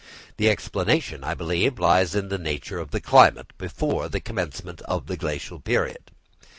The explanation, I believe, lies in the nature of the climate before the commencement of the Glacial period.